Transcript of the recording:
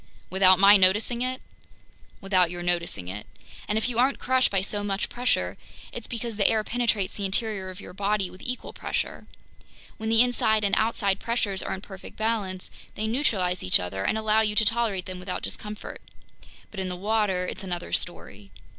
"Without my noticing it?" "Without your noticing it. And if you aren't crushed by so much pressure, it's because the air penetrates the interior of your body with equal pressure. When the inside and outside pressures are in perfect balance, they neutralize each other and allow you to tolerate them without discomfort. But in the water it's another story."